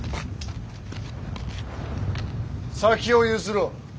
先を譲ろう。